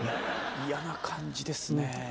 嫌な感じですねぇ。